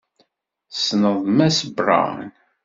Tessneḍ Mass Braun?